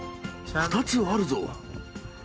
２つあるぞ！